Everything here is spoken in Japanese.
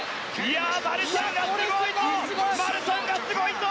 マルシャンがすごいぞ！